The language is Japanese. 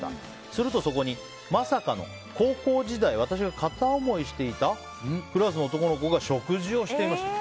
すると、そこにまさかの高校時代私が片思いしていたクラスの男の子が食事をしていました。